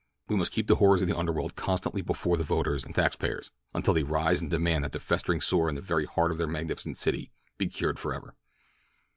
We must keep the horrors of the underworld constantly before the voters and tax payers until they rise and demand that the festering sore in the very heart of their magnificent city be cured forever.